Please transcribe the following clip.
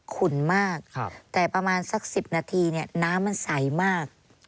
ขุ่นมากแต่ประมาณสัก๑๐นาทีน้ำมันใสมาก